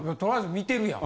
見てるやん。